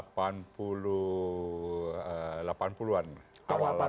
tahun delapan puluh an awal delapan puluh an